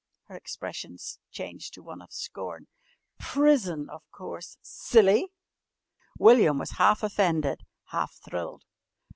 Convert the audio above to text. Her expression changed to one of scorn. "Prison, of course! Silly!" William was half offended, half thrilled.